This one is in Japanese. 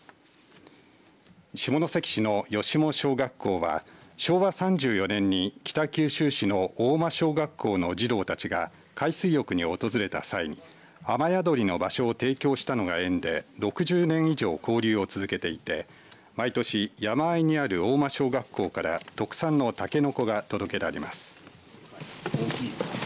下関市の吉母小学校は昭和３４年に北九州市の合馬小学校の児童たちが海水浴に訪れた際に雨宿りの場所を提供したのが縁で６０年以上交流を続けていて毎年、山あいにある合馬小学校から特産のたけのこが届けられます。